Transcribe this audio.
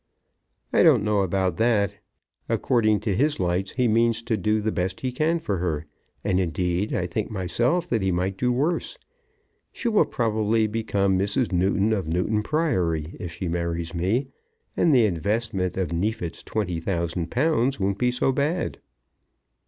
"I don't know about that. According to his lights, he means to do the best he can for her. And, indeed, I think myself that he might do worse. She will probably become Mrs. Newton of Newton Priory if she marries me; and the investment of Neefit's twenty thousand pounds won't be so bad."